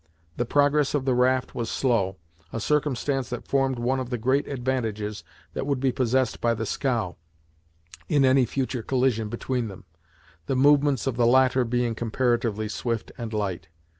The progress of the raft was slow, a circumstance that formed one of the great advantages that would be possessed by the scow, in any future collision between them, the movements of the latter being comparatively swift and light.